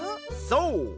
そう！